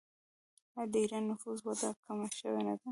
آیا د ایران د نفوس وده کمه شوې نه ده؟